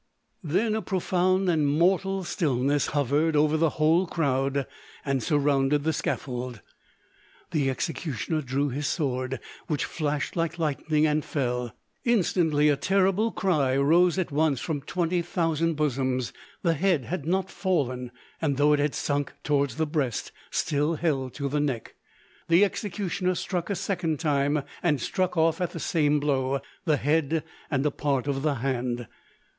Then a profound and mortal stillness hovered over the whole crowd and surrounded the scaffold. The executioner drew his sword, which flashed like lightning and fell. Instantly a terrible cry rose at once from twenty thousand bosoms; the head had not fallen, and though it had sunk towards the breast still held to the neck. The executioner struck a second time, and struck off at the same blow the head and a part of the hand.